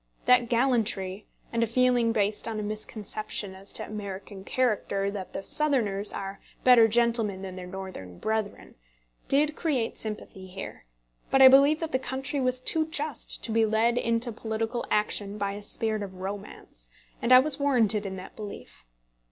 That gallantry, and a feeling based on a misconception as to American character that the Southerners are better gentlemen than their Northern brethren, did create great sympathy here; but I believe that the country was too just to be led into political action by a spirit of romance, and I was warranted in that belief.